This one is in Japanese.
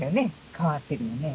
変わってるよね。